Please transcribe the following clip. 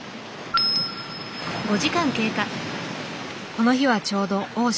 この日はちょうど大潮。